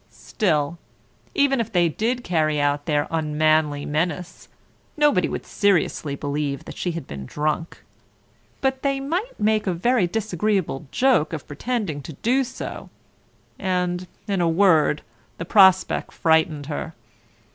Still, even if they did carry out their unmanly menace, nobody would seriously believe that she had been drunk. But they might make a very disagreeable joke of pretending to do so, and, in a word, the prospect frightened her.